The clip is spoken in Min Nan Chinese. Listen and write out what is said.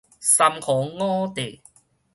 三皇五帝